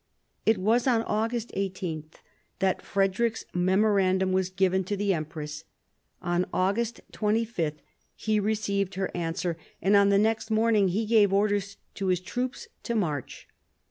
It was on August 18 that Frederick's memorandum was given to the empress. On August 25 he received her answer, and on the next morning he gave orders to his troops to march.